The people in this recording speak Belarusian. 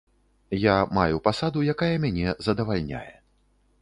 Я маю пасаду, якая мяне задавальняе.